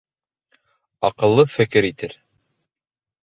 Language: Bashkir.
Аҡыллы фекер итер.